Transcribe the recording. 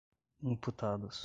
imputados